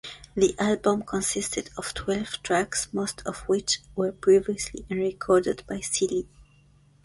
The album consisted of twelve tracks most of which were previously unrecorded by Seely.